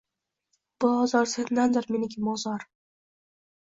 Bu ozor – sendandir, meniki – mozor